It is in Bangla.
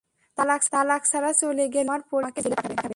তালাক ছাড়া চলে গেলে, তোমার পরিবার আমাকে জেলে পাঠাবে।